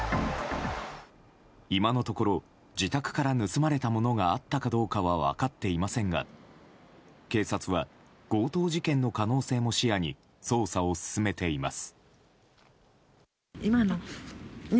今のところ、自宅から盗まれたものがあったかどうか分かっていませんが警察は強盗事件の可能性も視野に捜査を進めています。